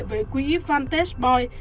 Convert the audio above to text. với quỹ vantage boy